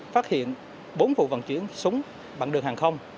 phát hiện bốn vụ vận chuyển súng bằng đường hàng không